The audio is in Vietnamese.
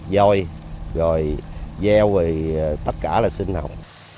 dôi rồi gieo rồi tất cả là sinh học